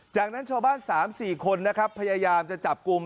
จากนั้นชาวบ้าน๓๔คนนะครับพยายามจะจับกลุ่ม